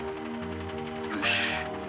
「よし」